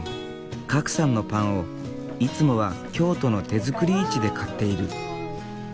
賀来さんのパンをいつもは京都の手づくり市で買っている。